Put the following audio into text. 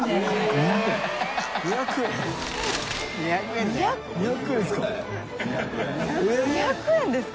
２００円ですか？